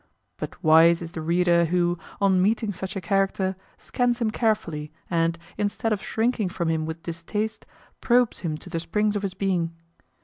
But wise is the reader who, on meeting such a character, scans him carefully, and, instead of shrinking from him with distaste, probes him to the springs of his being.